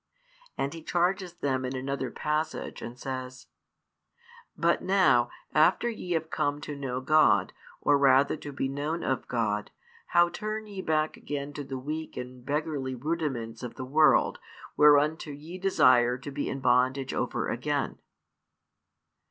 And he charges them in another passage, and says: But now, after ye have come to know God, or rather to be known of God, how turn ye back again to the weak and beggarly rudiments of the world, whereunto ye desire to be in bondage over again?